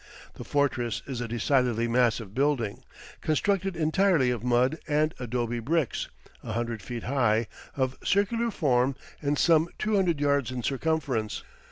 The fortress is a decidedly massive building, constructed entirely of mud and adobe bricks, a hundred feet high, of circular form, and some two hundred yards in circumference.